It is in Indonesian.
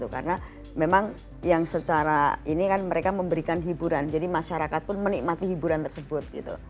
karena memang yang secara ini kan mereka memberikan hiburan jadi masyarakat pun menikmati hiburan tersebut gitu